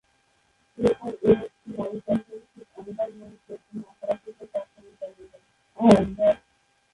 এরপরে, এনএক্সটি নারী championship Ember Moon save না করা পর্যন্ত আক্রমণ চালিয়ে যান।